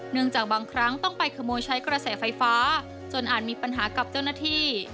จากบางครั้งต้องไปขโมยใช้กระแสไฟฟ้าจนอาจมีปัญหากับเจ้าหน้าที่